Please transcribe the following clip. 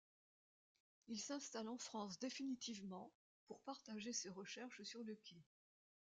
Il s'installe en France définitivement pour partager ses recherches sur le Ki.